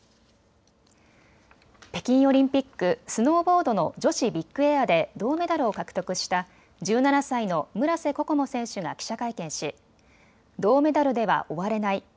北京オリンピック、スノーボードの女子ビッグエアで銅メダルを獲得した１７歳の村瀬心椛選手が記者会見し銅メダルでは終われない。